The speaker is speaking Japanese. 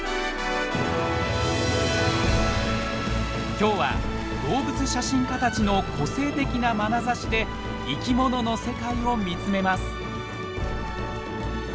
今日は動物写真家たちの個性的なまなざしで生きものの世界を見つめます。